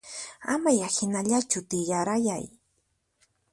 Amaya hinallachu tiyarayay